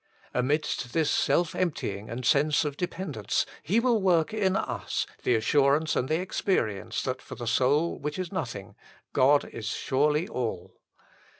l Amidst this self emptying and sense of dependence He will work in us the assurance and the experience that for the soul which is nothing, God is surely ALL.